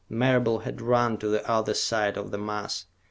Marable had run to the other side of the mass.